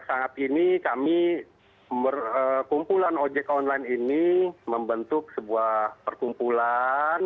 saat ini kami kumpulan ojek online ini membentuk sebuah perkumpulan